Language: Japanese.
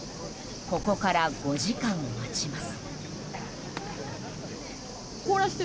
ここから５時間待ちます。